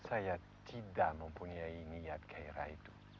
saya tidak mempunyai niat gairah itu